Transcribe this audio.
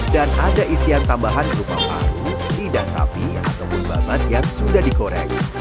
dan ada isian tambahan berupa paru lidah sapi atau bumbu amat yang sudah dikorek